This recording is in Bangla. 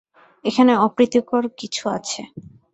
এখানে অপ্রীতিকর কিছু আছে।